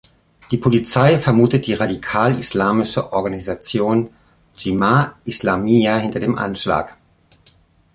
Die Polizei vermutet die radikal-islamische Organisation Jemaah Islamiyah hinter dem Anschlag.